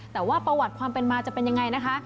แต่ว่าประวัติความเป็นมาจะเป็นยังไงนะคะ